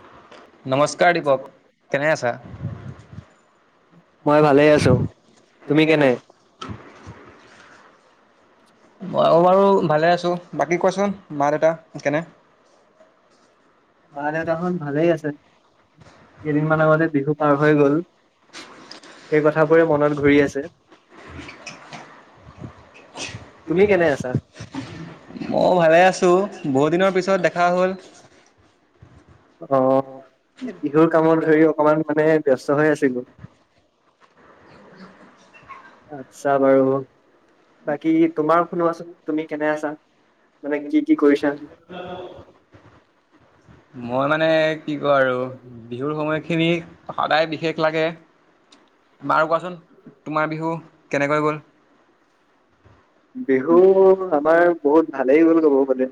অ নমস্কাৰ দীপক কেনে আছা মই ভালেই আছো তুমি কেনে মই বাৰু ভালে আছো বাকী কোৱাচোন মা দেউতা কেনে মা দেউতাখন ভালেই আছে কেইদিনমান আগতে বিহু পাৰ হৈ গল সেই কথাবোৰে মনত ঘূৰি আছে তুমি কেনে আছা মই ভালে আছো বহুত দিনৰ পিছত দেখা ত ৰাহুল অহ এ বিহুৰ কামত ধৰি অকমান মানে ব্যস্ত হৈ আছিলো আচ্ছা বাৰু বাকী তোমাৰ শুনোৱাচোন তুমি কেনে আছা মানে কি কি কৰিছা মই মানে কি কওঁ আৰু বিহুৰ সময়ত স খিবি সদায় বিশেষ লাগে বাৰু কোৱাচোন তোমাৰ বিহু কেনেকৈ গ'ল বিহু আমাৰ বহুত ভালেই গ'ল ক'ব গ'লে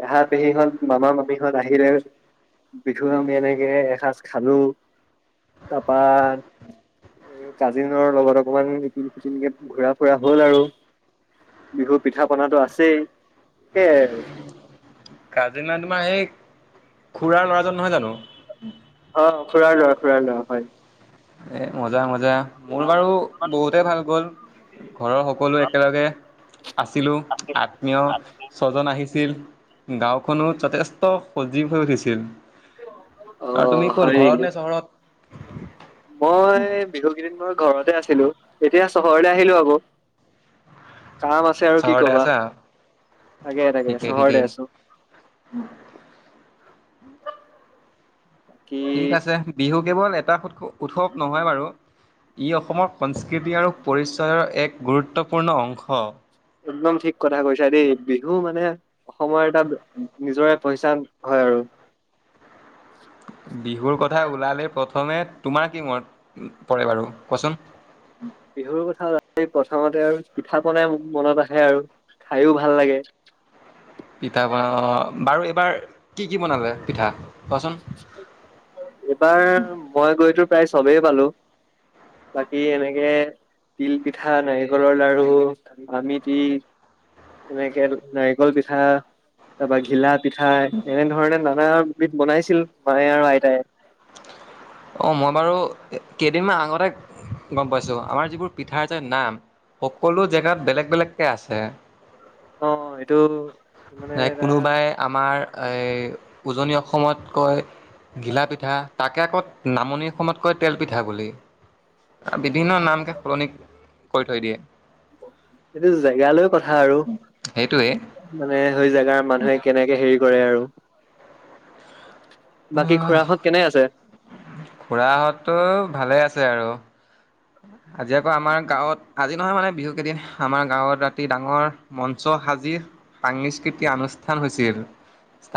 পেহা পেহী হ মামা মামী বিহু আহিলে বিহু আমি এনেকে এসাঁজ খালো তাৰপৰা কাজিনৰ লগত অকমান ইপিন চিটিনকে ঘুৰা ফুৰা হল আৰু বিহুৰ পিঠা পনাটো আছেই সেইয়াই আৰু কাজিনঙনা তোমাৰ সেই খুুৰাৰ ল'ৰাজন নহয় জানো অ খুৰা লোৱা খুৰা লোৱা হয় এ মজা মজা মোৰ বাৰু বহুতে ভাল গ'ল ঘৰৰ সকলো একেলগে আছিলো আত্মীয় ছজন আহিছিল আছিল গাঁওখনো যথেষ্ট পজিটিভ হৈ উঠিছিল অ আৰু তুমি ক'ল হয় ঘৰত নেকি নে চহৰত [unintelligible] মই বিহু কেইদিনমানত ঘৰতে আছিলো এতিয়া চহৰলে আহিলো আকৌ কাম আছে আৰু কি চহৰতে কবা আছা তাকে তাকে ঠিকেই ঠিকেই। চহৰতে আছো বাকী ঠিক আছে বিহু কেৱল এটাৎস উৎসৱ নহয় বাৰু ই অসমৰ সংস্কৃতি আৰু পৰিচয়ৰ এক গুৰুত্ব একদম ঠিক কথা কৈছা দেই বিহু মানে অসময়ত নিজৰে পইচা হয় আৰু বিহুৰ কথা ওলালে প্ৰথমে তোমাৰ কি মন পৰে বাৰু কচোন বিহুৰ কথা খাওঁতে আৰু পিঠা পনাই মনত আহে আৰু খাইও ভাল লাগে বাৰ কি কি বনালে পিঠা কোৱাচোন? এইবাৰ মই গৈতো প্ৰায় চবেই পালো বাকী এনেকে তিল পিঠা নাৰিকলৰ লাাৰু আমিতি এনেকে নাৰিকল পিঠা তাৰপা ঘিলাত পিঠাই এনেধৰণে নানা বনাইছিল মায়ে আৰু আইতায় অ মই বাৰু কেইদিনমান আগতে গম পাইছোঁ আমাৰ যিবোৰ পিঠা আছে নাম সকলো জেগাত বেলেগ বেলেগকৈ আছে অ এইটো মানে ন এটা কোনোবাই আমাৰ এই উজনি অসমতকৈ ঘিলা পিঠা তাকে কত নামনিৰ সময়তকৈ তেল পিঠা বুলি বিভিন্ন নামকে সলনি কৰি থৈ দিয়ে সেইটো জেগালৈ কথা আৰু সেইটোৱেই। মানে জোগাৰ মানুহে কেনেকে হেৰি কৰে আৰু বাকী খুৰাহঁত কেনে আছে খুৰা হতটো ভালে আছে আৰু আজি আকৌ আমাৰ গাঁৱত আজি নহয় মানে বিহু কেইদিন আমাৰ গাঁৱত ৰাতি ডাঙৰ মঞ্চ সাজি সাস্কৃতিক অনুষ্ঠান হৈছিল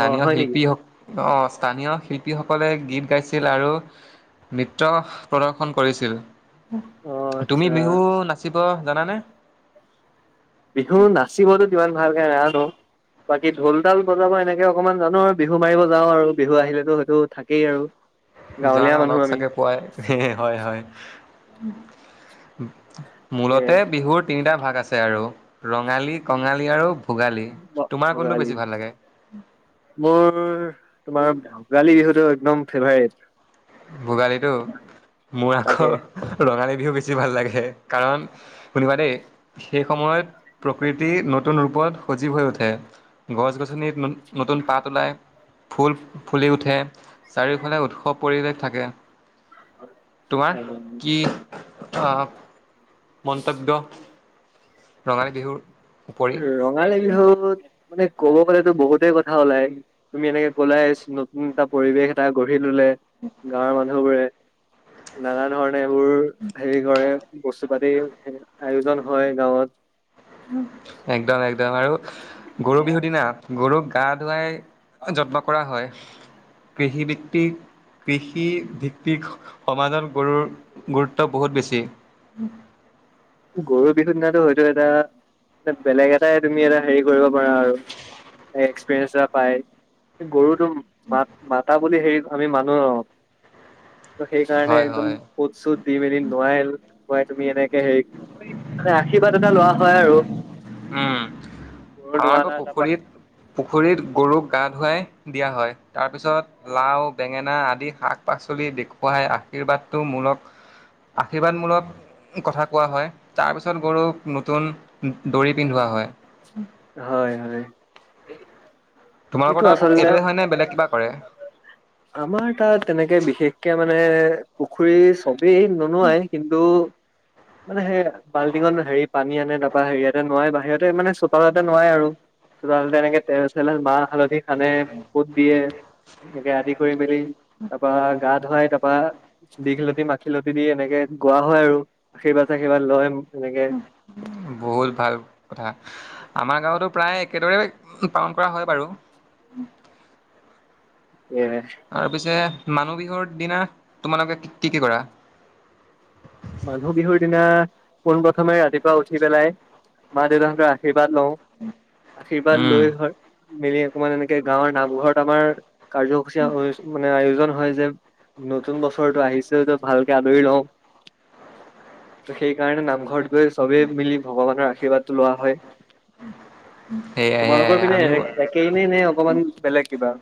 অ' হয় নেকি? শিল্পী হওক অ স্থানীয় শিল্পীসকলে গীত গাইছিল আৰু নৃত্য প্ৰদৰ্শন কৰিছিল অ' তুমি আচ্ছা। বিহু নাচ শিৱ জানানে বিহু নাচিবতো কিমান ভালকাই নাজানো বাকী ঢোল তাল বজাব এনেকে অকমান জানো আৰু বিহু মাৰিব যাওঁ আৰু বিহু আহিলেতো হয়তো থাকেই আৰু যোৱা গাঁৱলীয়া না মানুহ লগ আমি। চাগে পোৱাই হয় হয় উ উম কে মূলতে বিহুৰ তিনিটা ভাগ আছে আৰু ৰঙালী কঙালী আৰু ভোগালী। তোমাৰ কোনটো ভোগালী বেছি ভাল লাগে? মোৰ তোমাৰ ভোগালী বিহুতো নম ফে ভাই ভোগালীতটো মোৰ আকৌ তাকে ৰঙালী বিহু বেছি ভাল লাগে কাৰণ শুনিব দেই সেই সময়ত প্ৰকৃতি নত নতুন ৰূপত সজীৱ হৈ উঠে। গছ-গছনিত নতুন পাত ওলাই। ফুল ফুলি উঠে চাৰিওফালে উৎসৱ পৰিৱেশ থাকে তোমাৰ কি অ'হ মন্তব্য ৰঙালী বিহু ৰঙালী বিহু ত মানে ক'ব গ'লেতো বহুতেই কথা ওলাই তুমি এনেকে ক'ললে নতুন এটা পৰিৱেশ এটা গঢ়ি চবে ললে গাঁৱৰ মানুহ বোৰে নানান ধৰণৰ এইবোৰ হেৰি কৰে বস্তু পাতি আয়োজন হয় গাঁৱত। একদম একদম আৰু গৰু বিহু দিনা গৰুক গা ধুৱাই জকমক কৰা হয় কৃষিভিত্তিক কৃষিভিত্তিক সমাজত গৰু গুৰুত্ব বহুত বেছি। গৰু বিহুৰ দিনাটো হয়তো এটা এটা বেলেগ এটাই তুমি এটা হেৰি কৰিব পাৰা আৰু এক্সপিৰিয়েঞ্চ এটা পাই গৰু তুম মাত মাতা বুলি হেৰি আমি মানুহ ত সেইকাৰণে হয় একদম হয় কোত চোত দি মেলি লয় আৰু কাই তুমি এনেকে হেৰি মানে আশীৰ্বাদ এনে লোৱা হয় আৰু উম। গৰু আমাৰ আকৌ নোৱাৰা তাৰপা পুখুৰীত পুখুৰীত গৰুক গা ধুৱাই দিয়া হয় তাৰ পিছত লাও বেঙেনা আদি শাক-পাচলি দেখুৱাই আশীৰ্বাদটো মূলক আশীৰ্বাদমূলক কথা কোৱা হয় তাৰপিছত গৰুক নতুন দৰি পিন্ধোৱা হয় হয় হয় এইটো তোমালোকৰ তাত আচলতে এইটোয়ে হয় নে বেলেগ কিবা কৰে? আমাৰ তাত তেনেকে বিশেষকে মানে মানে পুখুৰী চ এই নুনোৱাই কিন্তু মানে সেই বাল্টিঙত হেৰি পানী আনে তাৰপা হেৰিয়াতে নোৱাই বাহিৰতে মানে চোতালতে নোৱাই আৰু চোতালতে এনেকে তেল চলে মাহ- হালধি ানে ফুত [unintelligible] দিয়ে ে [unintelligible] ধুই মেলি তাৰ পৰা গা ধুৱাই, তাৰ পৰাা দীঘলতি মাখিয়তি দি এনেকে গোৱা হয় আৰু আশীৰ্বাদ চশীৰ্বাদ লয় এনেকে বহুত ভাল কথা আমাৰ গাঁৱতো প্ৰায় একেদৰে পালন কৰা হয় বাৰু এ তাৰ পিছে মানুহ বিহুৰ দিনা তোমালোকে কি কি কৰা মানুহ বিহুৰ দিনা পোন প্ৰথমে ৰাতিপুৱা উঠি পেলাই মা দেউতাহঁতৰ আশীৰ্বাদ লওঁ আশীৰ্বাদ উম, লৈ হয় মিলি অকমান এনেকে গাঁৱৰ নামঘৰত আমাৰ কাৰ্যসূচী মানে আয়োজন নহয় যে নতুন বছৰটো আহিছে যে ভালকে আদৰি লওঁ ত সেইকাৰণে নামঘৰটো চবেই মিলি ভগৱানৰ আশীৰ্বাদ লোৱা হয় সেয়াই সেয়াই তোমালোকৰ পিনে আমিও একেইনেই নে অকমান বেলেগ কিবা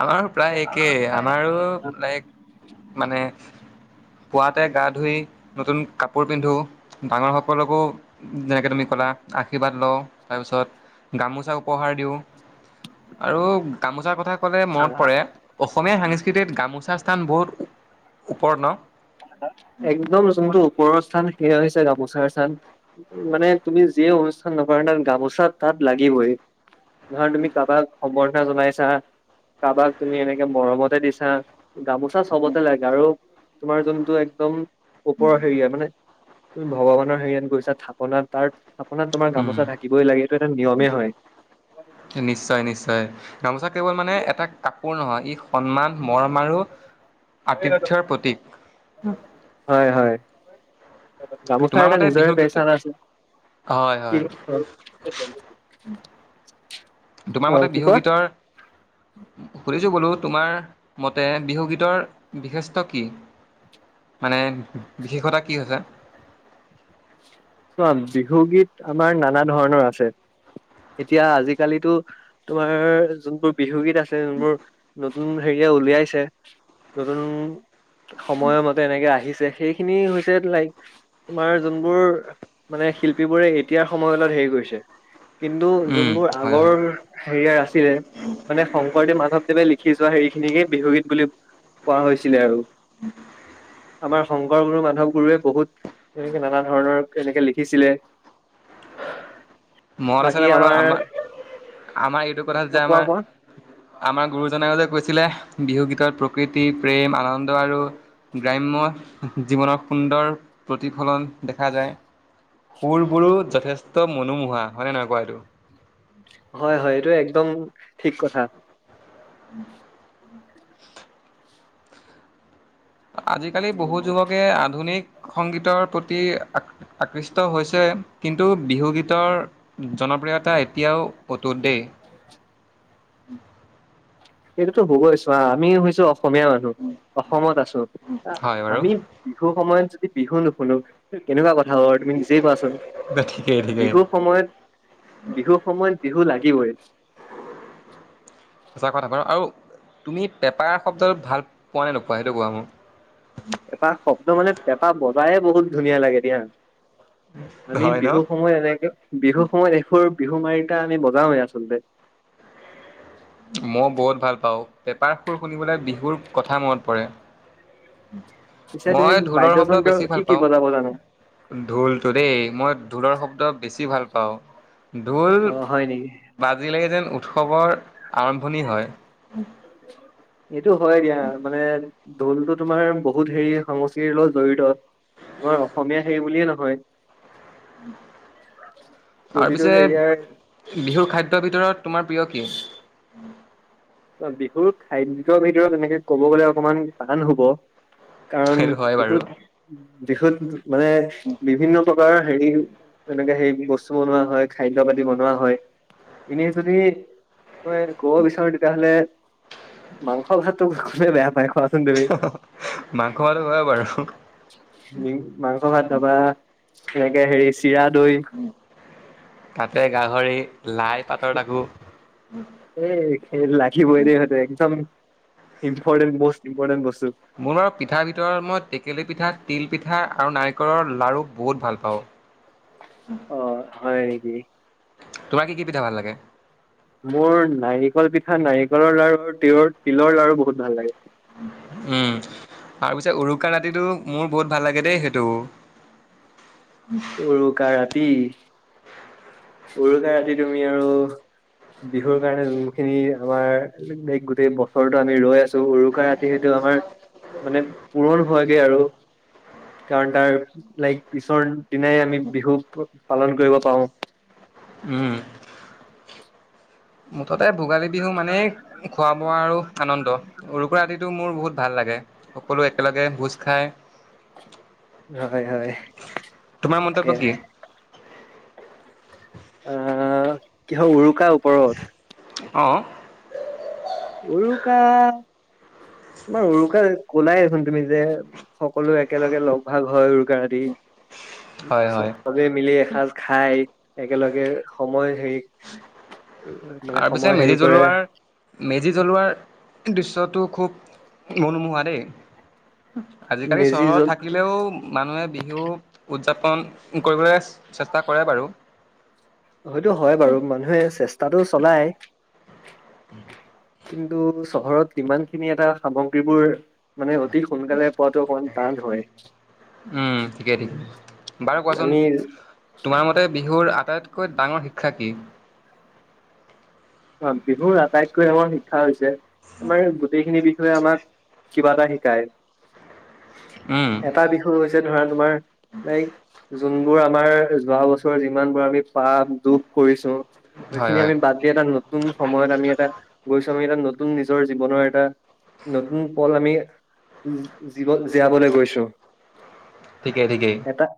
আমাৰো প্ৰায় একেই আমাৰো লাইক মানে পুৱাতে গা ধুই নতুন কাপোৰ পিন্ধো ডাঙৰ সকলকো যেনেকে তুমি ক'লা আশীৰ্বাদ লওঁ তাৰপিছত গামোচাক উপহাৰ দিওঁ আৰু গামোচাৰ কথা সকলে মনত পৰে অসমীয়া সংংস্কৃতিত গামোচা সান বহুত ওপৰ্ণ একদমো ওপৰৰ স্থান সেয়া হৈছে গামোচাৰ চান মানে তুমি যিয়ে অনুষ্ঠান নকৰা তাত গামোচাত তাত লাগিবই ধৰ তুমি কাবাক অৱৰ্ধনা জনাইছা কাৰোবাক তুমি এনেকে মৰমতে দিছা গামোচা চবতে লাগে আৰু তোমাৰ জন্তু একদম ওপৰৰ হেৰিয় মানে তুমি ভগৱানৰ হেৰিয়াত গৈছা থাক সোনা তাৰ সোনাত তোমাৰ উম, গোমোচা থাকিবই লাগে এটা নিয়মে হয় নিশ্চয় নিশ্চয় গামোচা কেৱল মানে এটা কাপোৰ নহয় ই সন্মান মৰম আৰু [unintelligible] আতিথ্যৰ প্ৰতীক হয় হয়। গামোচাৰ তোমাৰ এটা মতে নিজৰে বিহু গীত পেচান আছে, হয় হয় কি তোমাৰ অ মতে কি বিহু কয় গীতৰ, সুধিছো বোলো তোমাৰ মতে বিহুগীতৰ বিশেষ্ট কি? মানে বিশেষতা কি হৈছে? বিহুগীত আমাৰ নানা ধৰণৰ আছে এতিয়া আজিকালিতো তোমাৰ যোনবোৰ বিহুগীত আছে [unintelligible] উ হেৰিয়ে উলিয়াইছে, নতুন সময় মতে এনেকে আহিছে সেইখিনি হৈছে লাইক তোমাৰ যোনবোৰ মানে শিল্পী বোৰে এতিয়াৰ সময়ৰ লগত হেৰি কৰিছে। কিন্তু উম যোনবোৰ হয় আগৰ হয় হেৰিয়াৰ ৰাচিৰে মানে শংকৰদেৱ মাধৱদেৱে লিখি সিজোৱা হেৰিখিনিকে বিহুগীত বুলি কোৱা হৈছিলে আৰু [unintelligible] আমাৰ শংকৰ গুৰু মাধৱ গুৰুৱে বহুত এনেকে নানা ধৰণৰ কেনেকে লিখিছিলে। মনত আছেনে বাৰু আমাৰ, আমাৰ এইটো কথা যে কোৱা আমাৰ, কোৱা আমাৰ গুৰুজনাই যে কৈছিলে? বিহুগীতত প্ৰকৃতি প্ৰেম আনন্দ আৰু গ্ৰাম্য জীৱনৰ সুন্দৰ প্ৰতিফলন দেখা যায়। সুৰবোৰো যথেষ্ট মনোমোহা। হয়নে নহয় কোৱা এইটো? হয় হয় এইটো একদম ঠিক কথা [unintelligible] আজিকালি বহু যুৱকে আধুনিক সংগীতৰ প্ৰতি আকৃষ্ট হৈছে কিন্তু বিহুগীতৰ জনপ্ৰিয়তা এতিয়াও অতুত দেই এইটোতো হ'বই চোৱা, আমি হৈছো অসমীয়া মানুহ অসমত আছো হয় বাৰু আমি বিহুৰ সময়ত বিহু নুশুনো কেনেকুৱা কথা। ৰ তুমি নিজেই কোৱাচোন ঠিকেই ঠিকেই বিহু সময়ত, বিহু সময়ত বিহু লাগিবই। সঁচা কথা বাৰু আৰু তুমি পেপাৰ শব্দটো ভাল পোৱা নে নোপোৱা সেইটো কোৱা মোক এটা শব্দ মানে এটা ব চায়ে বহুত ধুনীয়া লাগে দিয়া। আমি হয় ন বিহু সময় এনেকে বিহু সময়ত এইোৰ বিহু মাৰিটা আমি বজােৱেও আচলতে মই বহুত ভাল পাওঁ পেপাৰ সুৰ শুনিবলৈ বিহুৰ কথা মনত পৰে। পিছে তুমি মই ঢোলৰ শব্দ বাদ্যযন্ত্ৰ বেছি কি ভাল কি পাওঁ বজাব জানা ঢোলতো দেই মই ঢোলৰ শব্দ বেছি ভাল পাওঁ অওঁ ঢোল অ হয় নেকি বাজিলে যেন উৎসৱৰ আৰম্ভণি হয় এইটো হয় দিয়া মানে ঢোলটো তোমাৰ বহুত হেৰি সংস্কৃতিৰ লগত জড়িত, তোমাৰ অসমীয়া হেৰি বুলিয়ে নহয়। আৰু প্ৰতিটো পিছে হেৰিয়াৰ বিহুৰ খাদ্যৰ ভিতৰত তোমাৰ প্ৰিয় কি বিহুৰ খাদ্যৰ ভিতৰত এনেকে কব গ'লে অকমান টান হব কাৰণ সেইটো হয় বাৰু বিহুত বিহুত মানে বিভিন্ন প্ৰকাৰ হেৰি এনেকে হে বস্তু বনোৱা হয় খাদ্য পাতি বনোৱা হয় এনেই যদি [unintelligible] ক'ব বিচ মাংস ভাতোলে বেয়া পায় খোৱা দে মাংস ভাতো হয় বাৰু মাংস ভাত বা সেনেকে হেৰিছ তাতে গাহৰি লাই পাতৰ ডাকোঁ এই খেল লাগিবই দটো একদম ইম্পৰ্টেট বস, ইম্পৰ্টেট বস্ত। মূলৰ পিঠা ভিতৰত মই টেকেলি পিঠাত তিলপিঠা আৰু নাৰিকলৰ লাড়ু বহুত ভাল পাওঁ অ হয় নেকি তোমাৰ কি কি পিঠা ভাল লাগে মোৰ নাৰিকল পিঠা নাৰিকলৰ লাৰু তিয়ত তিলৰ লাৰু বহুত ভাল লাগে। তাৰ পিছত উৰুকা ৰাতিটো মোৰ বহুত ভাল লাগে দেই সেইটো। উৰুকা ৰাতি। উৰুকা ৰাতিত আমি আৰু বিহুৰ কাৰণে যোনখিনি আমাৰ, লাইক গোটেই বছৰৰতো আমি ৰৈ আছো উৰুকা ৰাতি সেইটো আমাৰ মানে পূৰণ হোৱাকে আৰু কাৰণ তাৰ, লাইক পিছৰ দিনাই আমি বিহু পালন কৰিব পাৰো। উম অ ততে ভোগালী বিহু মানে খোৱা বোৱা আৰু আনন্দ উৰুকৰা ৰাতিটো মোৰ বহুত ভাল লাগে সকলো একেলগে ভোজ খাই হয় হয় তোমাৰ মন্তব্য কি অ কিহৰ উৰু কা ওপৰত অঁ উৰুকা তোমাৰ উৰুকা কলাই দেচোন তুমি যে সকলো একেলগে লগ ভাগ হয় উৰুকা দি হয় হয় চবে মিলি এসাঁজ খাই একেলগে সময় হেৰি মানে তাৰ পিছে সময় মেজি হেৰি কৰে জ্বলোৱাৰ মেজি জ্বলোৱাৰ দৃশ্যটো খুব মনোমোহা দেই? আজিকালি মেজি চহৰত জল থাকিলেও মানুহে বিহু উদযাপন কৰিবলৈ আছে চেষ্টা কৰে বাৰু হয় ইটো হয় বাৰু মানুহে চেষ্টা অ'টো চলাই [unintelligible] কিন্তু চহৰত যিমান খিনি এটা সামগ্ৰীবোৰ মানে অতি সোনকালে পোৱাতটো অকমান টান হয়। উম ঠিকেই ঠিকে বাৰু কোৱাচোন আমি তোমাৰ মতে বিহুৰ আটাইতকৈ ডাঙৰ শিক্ষা কি? অ' বিহুৰ আটাইতকৈ আমাৰ শিক্ষা হৈছে আমাৰ গোটেইখিনি বিষয়ে আমাক কিবা এটা শিকায়। উম এটা বিষয় হৈছে যে ধৰা তোমাৰ নাই জেম তোৰ, আমাৰ যোৱা বছৰ যিমান বোৰ আমি পাপ, দোষ কৰিছো হয় সেইখিনি হয় আমি বাদ দি এটা নতু নতুন সময়ত আমি এটা গৈছো আমি এটা নতুন নিজৰ জীৱনৰ এটা নতুন পল আমি জীৱ জীয়াবলৈ গৈছো। ঠিকে ঠিকে এটা